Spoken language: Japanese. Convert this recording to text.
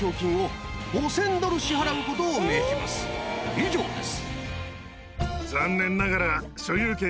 以上です。